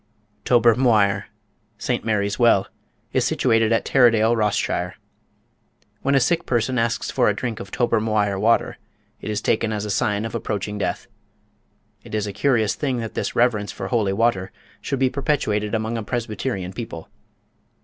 Tober Mhuire (St Mary's Well) is situated at Tarradale, Ross shire. When a sick person asks for a drink of Tober Mhuire water, it is taken as a sign of approaching death. It is a curious thing that this reverence for holy water should be perpetuated among a Presbyterian people.